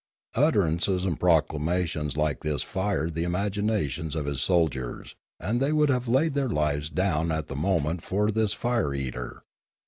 Utterances and Choktroo 207 proclamations like this fired the imaginations of his soldiers, and they would have laid their lives down at the moment for this fire eater.